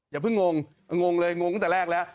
อย่าเพิ่งงงงเลยงงตั้งแต่แรกแล้ว